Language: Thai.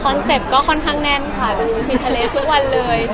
เซ็ปต์ก็ค่อนข้างแน่นค่ะกินทะเลทุกวันเลย